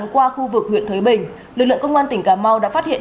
qua khu vực huyện thới bình lực lượng công an tỉnh cà mau đã phát hiện